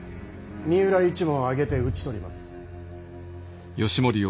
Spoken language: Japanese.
三浦一門を挙げて討ち取ります。